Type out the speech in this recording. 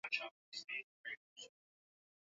Je watambua kusudi lake Mungu.